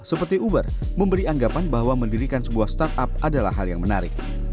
seperti uber memberi anggapan bahwa mendirikan sebuah startup adalah hal yang menarik